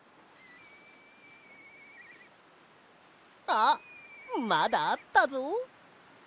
あっまだあったぞ。